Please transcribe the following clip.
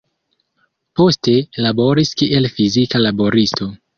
Poste laboris kiel fizika laboristo.